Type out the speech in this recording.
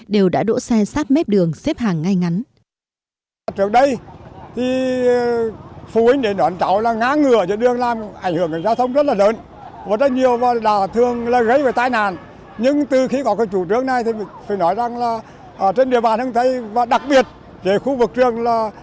đều đã đỗ xe sát mép đường xếp hàng ngay ngắn